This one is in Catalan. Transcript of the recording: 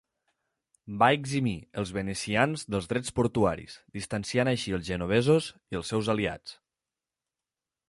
Va eximir els venecians dels drets portuaris, distanciant així els genovesos i els seus aliats.